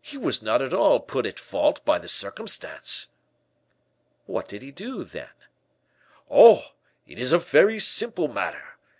He was not at all put at fault by the circumstance." "What did he do, then?" "Oh! it is a very simple matter.